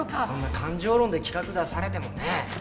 そんな感情論で企画出されてもね